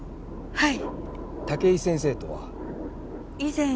はい。